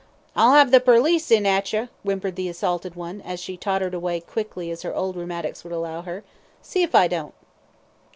"I'll have the perlice in at yer," whimpered the assaulted one, as she tottered as quickly away as her rheumatics would allow her. "See if I don't."